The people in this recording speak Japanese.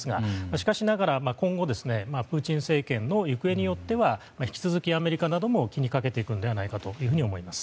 しかしながら今後プーチン政権の行方によっては引き続きアメリカなども気にかけていくのではないかと思います。